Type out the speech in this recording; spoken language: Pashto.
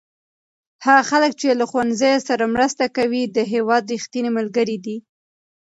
هغه خلک چې له ښوونځیو سره مرسته کوي د هېواد رښتیني ملګري دي.